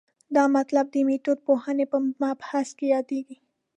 دا مطلب د میتودپوهنې په مبحث کې یادېږي.